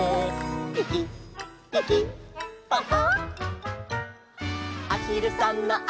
「ピキピキパカ！」